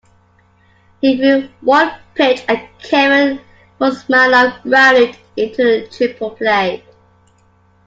He threw one pitch, and Kevin Kouzmanoff grounded into a triple play.